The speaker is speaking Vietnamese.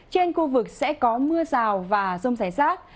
trên khu vực sẽ có mưa rào và rông rải rác